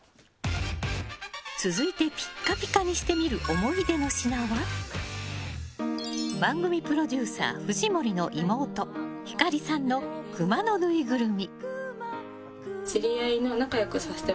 続いてピッカピカにしてみる思い出の品は番組プロデューサー藤森の妹、ひかりさんのクマのぬいぐるみ。